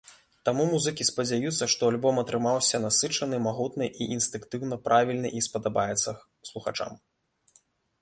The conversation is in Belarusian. Таму музыкі спадзяюцца, што альбом атрымаўся насычаны, магутны і інстынктыўна правільны і спадабаецца слухачам.